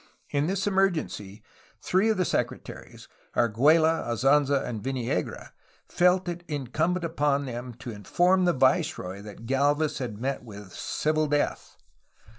In this emergency three of the secre taries (Argtiello, Azanza, and Viniegra) felt it incumbent on them to inform the viceroy that Gdlvez had met with * 'civil death.''